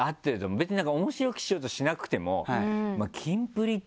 別に面白くしようとしなくても。